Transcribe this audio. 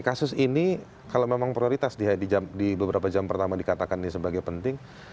kasus ini kalau memang prioritas di beberapa jam pertama dikatakan ini sebagai penting